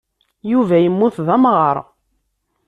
Yuba yemmut d amɣar.